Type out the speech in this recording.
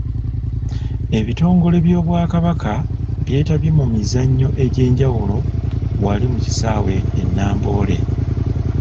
Ebitongole by'Obwakabaka byetabye mu mizannyo egyenjawulo wali mu kisaawe e Namboole.